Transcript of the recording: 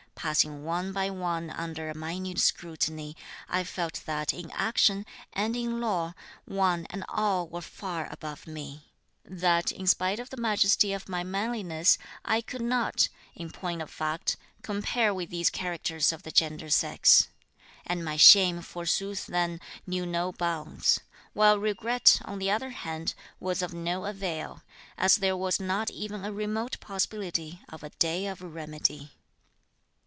Passing one by one under a minute scrutiny, I felt that in action and in lore, one and all were far above me; that in spite of the majesty of my manliness, I could not, in point of fact, compare with these characters of the gentle sex. And my shame forsooth then knew no bounds; while regret, on the other hand, was of no avail, as there was not even a remote possibility of a day of remedy.